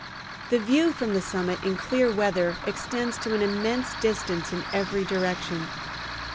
The view from the summit in clear weather extends to an immense distance in every direction.